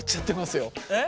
えっ？